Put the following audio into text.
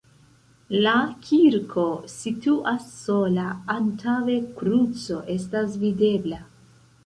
La kirko situas sola, antaŭe kruco estas videbla.